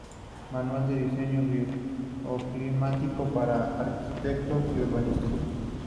Manual de diseño bioclimático para arquitectos y urbanistas".